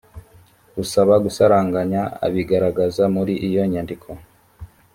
usaba gusaranganya abigaragaza muri iyo nyandiko